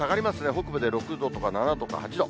北部で６度とか７度とか、８度。